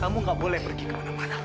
kamu gak boleh pergi ke mana mana